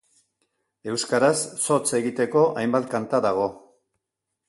Euskaraz, zotz egiteko hainbat kanta dago.